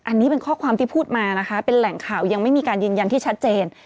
อันนี้เป็นข้อความที่พูดมานะคะเป็นแหล่งข่าวยังไม่มีการยืนยันที่ชัดเจน